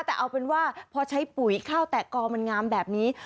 แต่เอาเป็นว่าพอใช้ปุ๋ยข้าวแตะกอมันงามแบบนี้